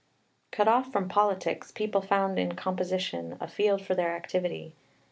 Cut off from politics, people found in composition a field for their activity.